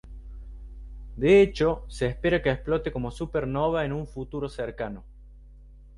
De hecho, se espera que explote como supernova en un futuro cercano.